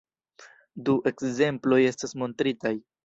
Du ekzemploj estas montritaj.